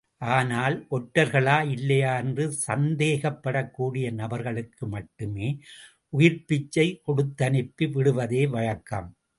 ஆனால் ஒற்றர்களா இல்லையா என்று சந்தேகப்படக்கூடிய நபர்களுக்கு மட்டும் உயிர்ப் பிச்சை கொடுத்தனுப்பி விடுவதே வழக்கம்.